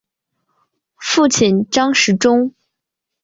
父亲张时中。